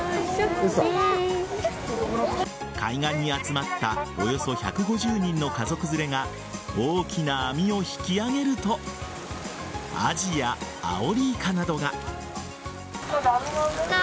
海岸に集まったおよそ１５０人の家族連れが大きな網を引き揚げるとアジやアオリイカなどが。